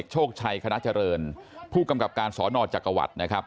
โชคชัยคณะเจริญผู้กำกับการสอนอจักรวรรดินะครับ